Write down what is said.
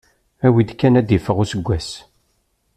Awi-d kan ad iffeɣ useggas.